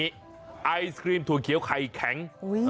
ไอศครีมถั่วเขียวไข่แข็ง